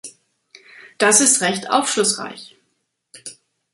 Das ist recht aufschlussreich.